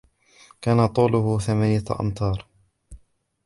كان طوله ثمانية أمتار.